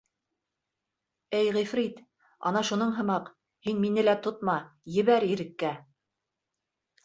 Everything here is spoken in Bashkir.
— Эй ғифрит, ана шуның һымаҡ, һин мине лә тотма, ебәр иреккә.